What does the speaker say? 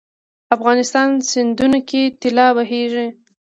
افغانستان سیندونو کې طلا بهیږي 😱